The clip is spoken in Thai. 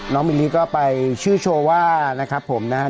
มิลลี่ก็ไปชื่อโชว์ว่านะครับผมนะครับ